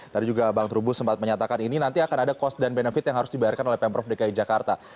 tadi juga bang trubus sempat menyatakan ini nanti akan ada cost dan benefit yang harus dibayarkan oleh pemprov dki jakarta